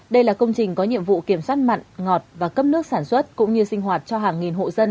đây là công trình có nhiệm vụ kiểm soát mặn ngọt và cấp nước sản xuất cũng như sinh hoạt cho hàng nghìn hộ dân